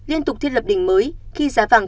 liên tục thiết lập đỉnh mới khi giá vàng